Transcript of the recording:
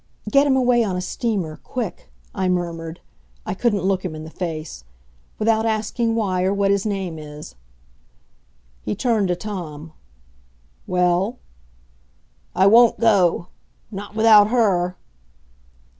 "Get him away on a steamer quick," I murmured I couldn't look him in the face "without asking why, or what his name is." He turned to Tom. "Well?" "I won't go not without her."